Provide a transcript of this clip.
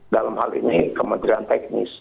dalam hal ini kementerian teknis